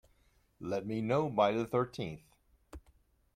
Let me know by the thirteenth.